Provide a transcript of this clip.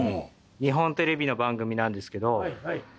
日本テレビの番組なんですけど。